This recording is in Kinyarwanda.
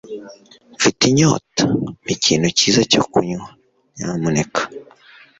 Mfite inyota. Mpa ikintu cyiza cyo kunywa, nyamuneka